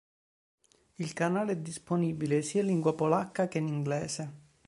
Il canale è disponibile sia in lingua polacca che in inglese.